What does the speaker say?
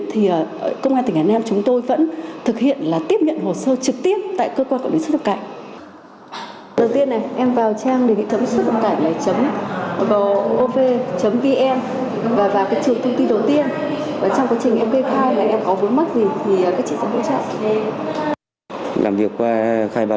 thì công an tỉnh hà nam chúng tôi vẫn thực hiện là tiếp nhận hồ sơ trực tiếp tại công an tỉnh hà nam